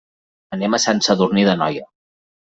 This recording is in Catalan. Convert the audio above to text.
Anem a Sant Sadurní d'Anoia.